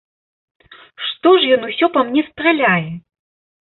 Што ж ён усё па мне страляе?